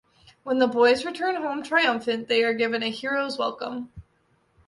When the boys return home triumphant, they are given a hero's welcome.